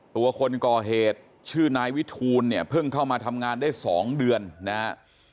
ตัวคนก่อเหตุชื่อนายวิทูลเนี่ยเพิ่งเข้ามาทำงานได้๒เดือนนะฮะ